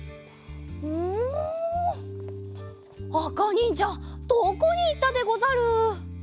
うんあかにんじゃどこにいったでござる。